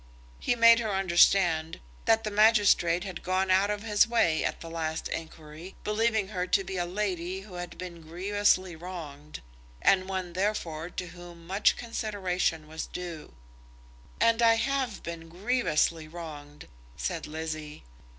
He made her understand that the magistrate had gone out of his way at the last inquiry, believing her to be a lady who had been grievously wronged, and one, therefore, to whom much consideration was due. "And I have been grievously wronged," said Lizzie.